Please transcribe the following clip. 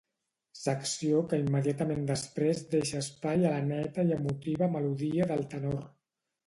Secció que immediatament després deixa espai a la neta i emotiva melodia del tenor.